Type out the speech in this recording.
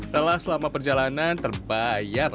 telah selama perjalanan terbayar